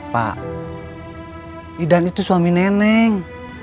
pak idan itu suami neneng